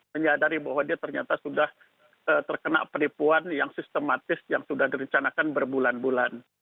menyadari bahwa dia ternyata sudah terkena penipuan yang sistematis yang sudah direncanakan berbulan bulan